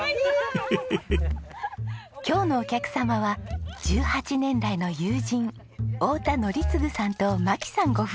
今日のお客様は１８年来の友人太田則次さんと麻季さんご夫婦です。